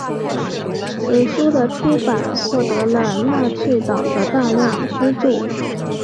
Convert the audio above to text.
此书的出版获得了纳粹党的大量资助。